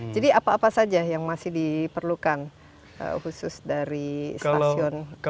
jadi apa apa saja yang masih diperlukan khusus dari stasiun geopsika